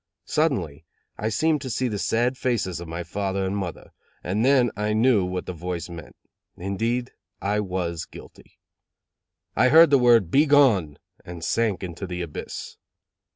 Suddenly I seemed to see the sad faces of my father and mother, and then I knew what the voice meant. Indeed, I was guilty. I heard the word, "Begone," and sank into the abyss.